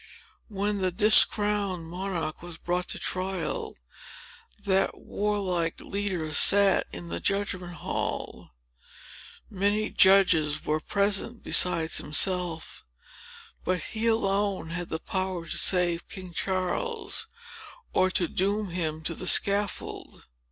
When the discrowned monarch was brought to trial, that warlike leader sat in the judgment hall. Many judges were present, besides himself; but he alone had the power to save King Charles, or to doom him to the scaffold.